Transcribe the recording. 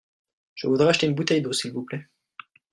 Je voudrais acheter une bouteille d'eau s'il vous plait.